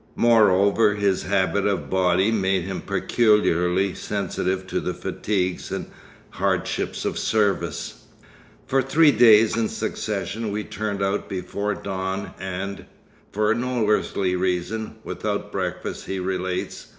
Moreover, his habit of body made him peculiarly sensitive to the fatigues and hardships of service. 'For three days in succession we turned out before dawn and—for no earthly reason—without breakfast,' he relates.